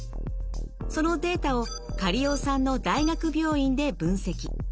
そのデータを苅尾さんの大学病院で分析。